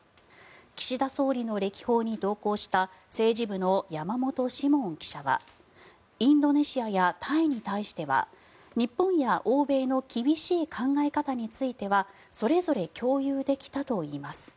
岸田総理の歴訪に同行した政治部の山本志門記者はインドネシアやタイに対しては日本や欧米の厳しい考え方についてはそれぞれ共有できたといいます。